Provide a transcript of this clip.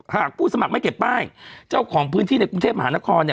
หากผู้สมัครไม่เก็บป้ายเจ้าของพื้นที่ในกรุงเทพมหานครเนี่ย